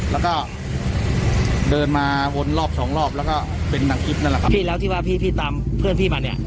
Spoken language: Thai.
แล้วก็เดินมาวนรอบสองรอบแล้วก็เป็นนางกิ๊บนั่นแหละครับพี่แล้วที่ว่าพี่พี่ตามเพื่อนพี่มาเนี่ย